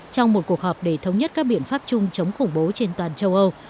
trong một cuộc họp để thống nhất các biện pháp chung chống khủng bố trên toàn châu âu